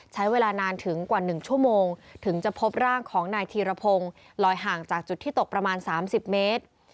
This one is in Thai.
ใช้เวลานานถึงกว่า๑ชั่วโมงถึงจะพบร่างของนายธีรพงศ์ลอยห่างจากจุดที่ตกประมาณ๓๐เมตร